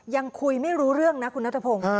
ยังคุยไม่รู้เรื่องนะคุณนัทพงศ์